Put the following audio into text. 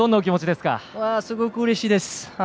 すごくうれしいです。